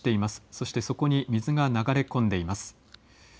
そしてそこに水が流れ込んでいます。